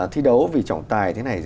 thi đấu vì trọng tài thế này